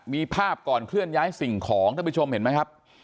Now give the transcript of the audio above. มีภาพก่อนเคลื่อนย้ายสิ่งของท่านผู้ชมเห็นไหมครับ